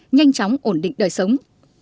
nhanh chóng ổn định đời sống